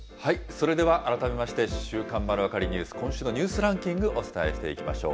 それでは改めまして、週刊まるわかりニュース、今週のニュースランキング、お伝えしていきましょう。